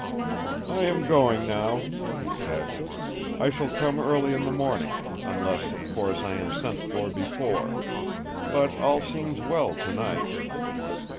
"I am going now," he said. "I shall come early in the morning; unless, of course, I am sent for before. But all seems well tonight."